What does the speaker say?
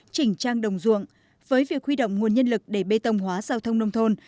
chỉnh trang đồng ruộng với việc huy động nguồn nhân lực để bê tông hóa giao thông nông thôn